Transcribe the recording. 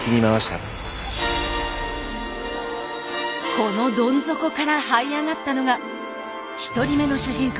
このどん底からはい上がったのが１人目の主人公。